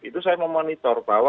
itu saya memonitor bahwa